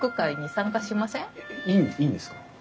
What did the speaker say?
えいいんですか？